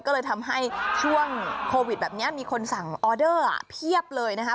ก็เลยทำให้ช่วงโควิดแบบนี้มีคนสั่งออเดอร์เพียบเลยนะคะ